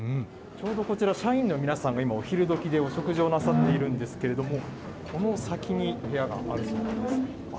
ちょうどこちら、社員の皆さんが今、お昼どきでお食事をなさっているんですけれども、この先に部屋があるそうなんです。